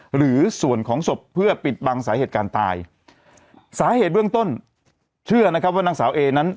หรือส่วนของศพเพื่อปิดบังสาเหตุการณ์ตายสาเหตุเบื้องต้นเชื่อนะครับว่านางสาวเอนั้น